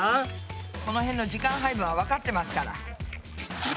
このへんの時間配分はわかってますから。